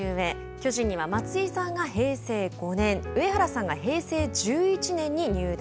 巨人には松井さんが平成５年上原さんが平成１１年に入団。